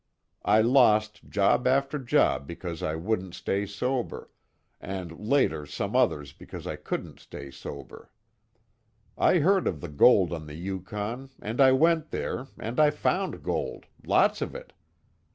I lost job after job because I wouldn't stay sober and later some others because I couldn't stay sober. I heard of the gold on the Yukon and I went there, and I found gold lots of it.